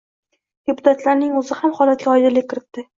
Deputatlarning o‘zi ham holatga oydinlik kiritdi